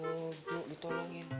bu bu ditolongin